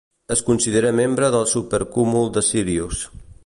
Es considera membre del supercúmul de Sírius.